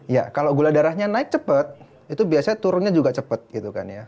ya kalau gula darahnya naik cepat itu biasanya turunnya juga cepat gitu kan ya